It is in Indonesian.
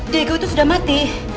dago itu sudah mati